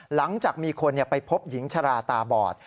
หลังจากมีคนไปพบหญิงชราตาบอด